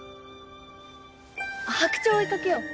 白鳥を追い掛けよう。